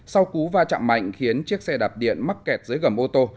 sau cú va chạm mạnh khiến chiếc xe đạp điện mắc kẹt dưới gầm ô tô